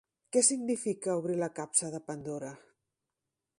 Què significa obrir la capsa de Pandora?